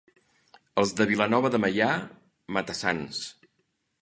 Els de Vilanova de Meià, mata-sans.